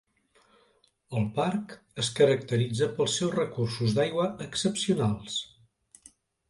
El parc es caracteritza pels seus recursos d'aigua excepcionals.